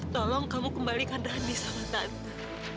tolong kamu kembalikan radi sama tante